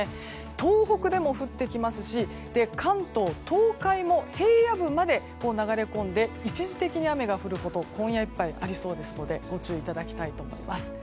東北でも降ってきますし関東・東海も平野部まで流れ込んで一時的に雨が降ること今夜いっぱいありそうですのでご注意いただきたいと思います。